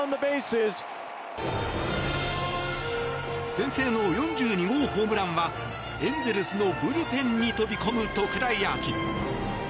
先制の４２号ホームランはエンゼルスのブルペンに飛び込む特大アーチ！